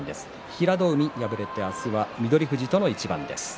平戸海は敗れて明日は翠富士との一番です。